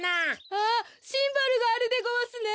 あっシンバルがあるでごわすね。